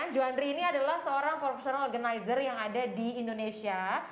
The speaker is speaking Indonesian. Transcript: juandri ini adalah seorang professional organizer yang ada di indonesia